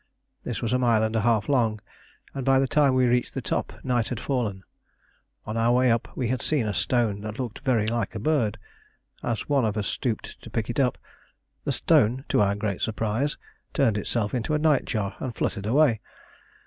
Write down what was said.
This was a mile and a half long, and by the time we reached the top night had fallen. On our way up we had seen a stone that looked very like a bird; as one of us stooped to pick it up, the stone, to our great surprise, turned itself into a night jar and fluttered away.